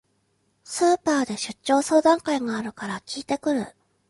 スーパーで出張相談会があるから聞いてくる